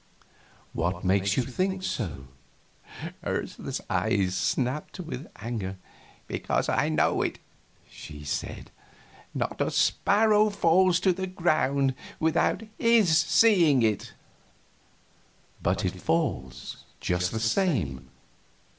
"What makes you think so?" Ursula's eyes snapped with anger. "Because I know it!" she said. "Not a sparrow falls to the ground without His seeing it." "But it falls, just the same.